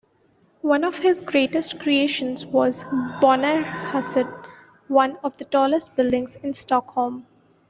One of his greatest creations was Bonnierhuset, one of the tallest buildings in Stockholm.